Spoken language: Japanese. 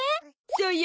そうよ！